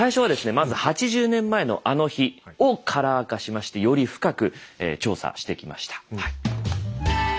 まず８０年前のあの日をカラー化しましてより深く調査してきましたはい。